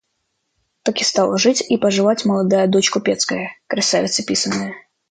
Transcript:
Так и стала жить и поживать молодая дочь купецкая, красавица писаная.